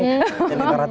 ini lima ratus orang ya